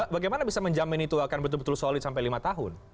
bagaimana bisa menjamin itu akan betul betul solid sampai lima tahun